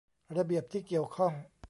ระเบียบที่เกี่ยวข้อง